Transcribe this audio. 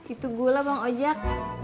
itu gula bang ojak